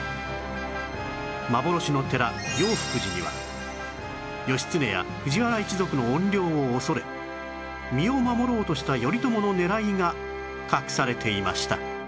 幻の寺永福寺には義経や藤原一族の怨霊を恐れ身を守ろうとした頼朝の狙いが隠されていました